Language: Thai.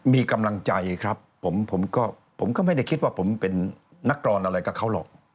มีกำลังใจครับผมก็ไม่ได้คิดว่าผมเป็นนักกรอนอะไรกับเขาหรอก